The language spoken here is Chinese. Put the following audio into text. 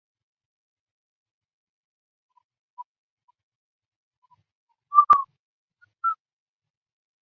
这也是他的功劳